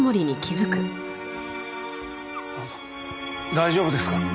大丈夫ですか？